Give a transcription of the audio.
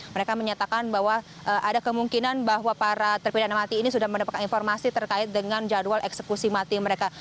mereka menyatakan bahwa ada kemungkinan bahwa para terpidana mati ini sudah mendapatkan informasi terkait dengan jadwal eksekusi mati mereka